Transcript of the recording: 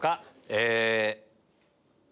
え。